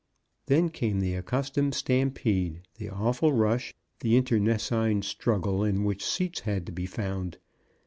Then came the accustomed stampede, the awful rush, the internecine struggle in which seats had to be found.